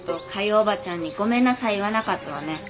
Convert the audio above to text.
叔母ちゃんにごめんなさい言わなかったわね。